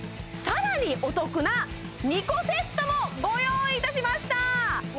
更にお得な２個セットもご用意いたしました！